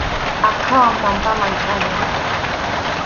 Aqhawan pampaman chʼallay.